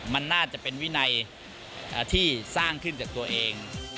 มันน่าจะเป็นวินัยที่สร้างขึ้นจากตัวเอง